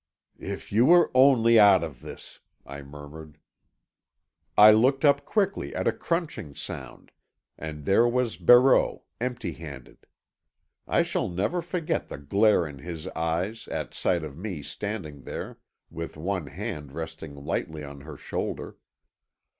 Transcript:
"If you were only out of this," I murmured. I looked up quickly at a crunching sound, and there was Barreau, empty handed. I shall never forget the glare in his eyes at sight of me standing there with one hand resting lightly on her shoulder.